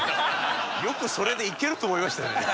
よくそれでいけると思いましたね。